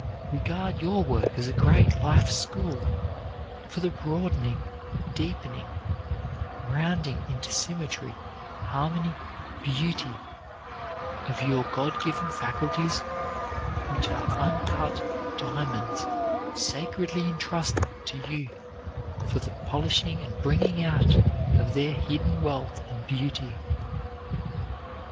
Regard your work as a great life school for the broadening, deepening, rounding into symmetry, harmony, beauty, of your God given faculties, which are uncut diamonds sacredly intrusted to you for the polishing and bringing out of their hidden wealth and beauty.